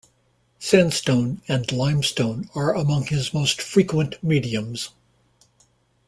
Sandstone and limestone are among his most frequent mediums.